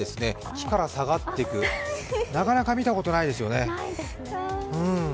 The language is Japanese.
木から下がっていく、なかなか見たことないですよね。